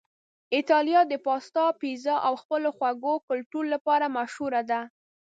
ایتالیا د پاستا، پیزا او خپل خواږه کلتور لپاره مشهوره ده.